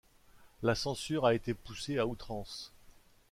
La censure a été poussée à outrance.